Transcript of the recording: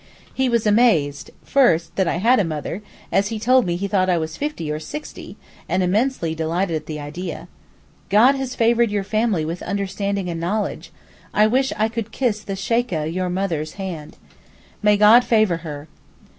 He was amazed—first that I had a mother, as he told me he thought I was fifty or sixty, and immensely delighted at the idea. 'God has favoured your family with understanding and knowledge; I wish I could kiss the Sheykhah your mother's hand. May God favour her!